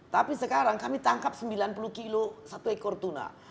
tapi sekarang kami tangkap sembilan puluh kilo satu ekor tuna